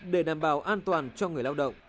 để đảm bảo an toàn cho người lao động